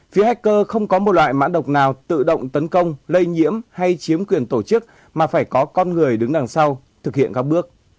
phía hacker không có một loại mã độc nào tự động tấn công lây nhiễm hay chiếm quyền tổ chức mà phải có con người đứng đằng sau thực hiện các bước